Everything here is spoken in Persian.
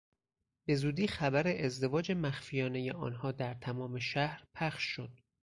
بزودی خبر ازدواج مخفیانه آنها در تمام شهر پخش شد.